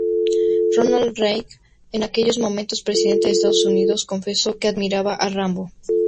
Ronald Reagan, en aquellos momentos presidente de Estados Unidos, confesó que admiraba a Rambo.